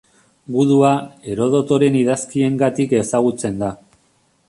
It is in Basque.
Gudua, Herodotoren idazkiengatik ezagutzen da.